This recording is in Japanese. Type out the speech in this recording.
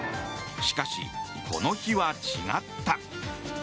しかし、この日は違った。